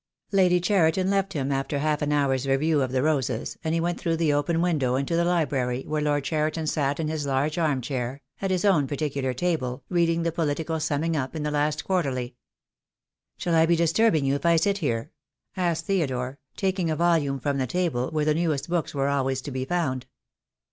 Lady Cheri ton left him after half an hour's review of the roses, and he went through the open window into the library where Lord Cheriton sat in his large arm chair at his own par The Day will come. II. \ x I 62 THE DAY WILL COME. ticular table, reading the political summing up in the last Quarterly. "Shall I be disturbing you if I sit here?" asked Theo dore, taking a volume from the table where the newest books were always to be found.